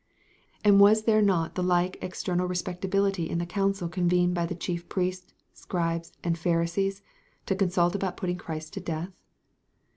" And was there not the like external respectability in the council convened by the chief priests, scribes, and Pharisees, to consult about putting Christ to death?